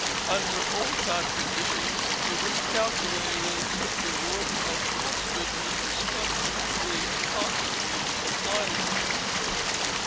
Under old time conditions it was calculated that it took the work of four spinners, who spun swiftly and constantly, to supply one weaver.